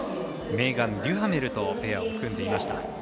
メーガン・デュハメルとペアを組んでいました。